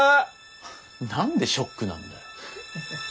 何でショックなんだよ。